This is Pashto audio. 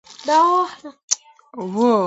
په عملي زده کړه کې دوام د بریا کلید دی.